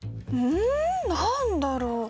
うん何だろう？